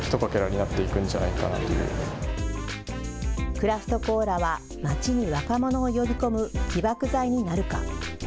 クラフトコーラは町に若者を呼び込む起爆剤になるか。